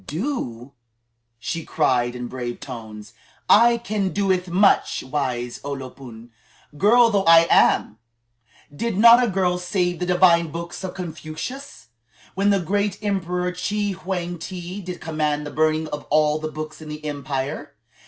"Do?" she cried in brave tones; "I can do much, wise O lo pun, girl though I am! Did not a girl save the divine books of Confucius, when the great Emperor Chi Hwang ti did command the burning of all the books in the empire?